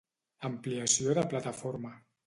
Ampliació de plataforma.